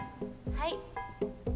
はい。